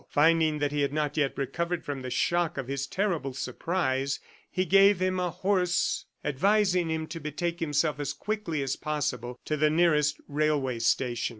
Finding that he had not yet recovered from the shock of his terrible surprise, he gave him a horse, advising him to betake himself as quickly as possible to the nearest railway station.